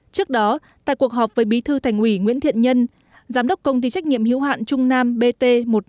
trước đó tại cuộc họp với bí thư thành ủy nguyễn thiện nhân giám đốc công ty trách nhiệm hiếu hạn trung nam bt một nghìn năm trăm bốn mươi bảy